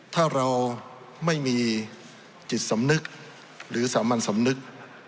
ถ้าเราไม่มีจิตสำนึกหรือสามัญสำนึก